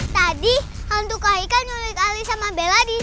jadi suku kak ika nyuruh ke olis sama bella disini